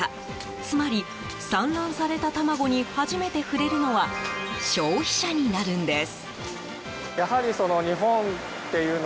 つまり、産卵された卵に初めて触れるのは消費者になるんです。